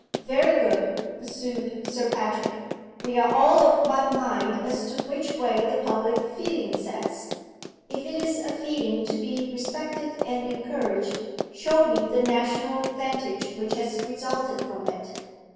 "Very good," pursued Sir Patrick. "We are all of one mind as to which way the public feeling sets. If it is a feeling to be respected and encouraged, show me the national advantage which has resulted from it.